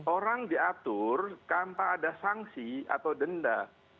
orang diatur tanpa ada sanksi atau denda